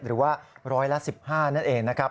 หรือว่าร้อยละ๑๕นั่นเองนะครับ